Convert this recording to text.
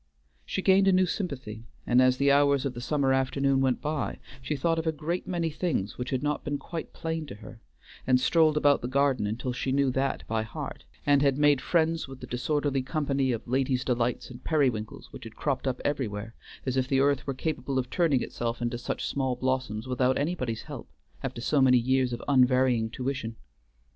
She gained a new sympathy, and as the hours of the summer afternoon went by she thought of a great many things which had not been quite plain to her, and strolled about the garden until she knew that by heart, and had made friends with the disorderly company of ladies delights and periwinkles which had cropped up everywhere, as if the earth were capable of turning itself into such small blossoms without anybody's help, after so many years of unvarying tuition.